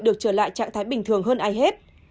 được trở lại trạng thái bình thường hơn ai hết